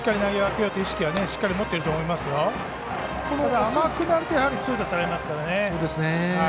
ただ、甘くなると痛打されますからね。